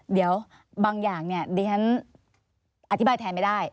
เดี๋ยวบางอย่างเนี่ยดิฉันอธิบายแทนไม่ได้